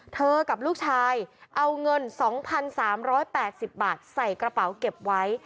กับลูกชายเอาเงิน๒๓๘๐บาทใส่กระเป๋าเก็บไว้